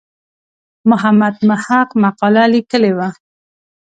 محمد محق مقاله لیکلې وه.